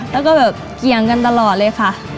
แล้วก็แบบเกี่ยงกันตลอดเลยค่ะ